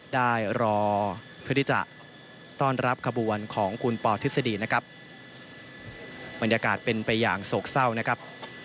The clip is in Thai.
ได้รอเพื่อที่จะต้อนรับขบวนของคุณปอทฤษฎีนะครับบรรยากาศเป็นไปอย่างโศกเศร้านะครับ